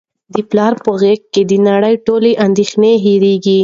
د پلار په غیږ کي د نړۍ ټولې اندېښنې هیرېږي.